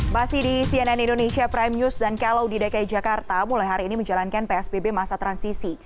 masih di cnn indonesia prime news dan kalau di dki jakarta mulai hari ini menjalankan psbb masa transisi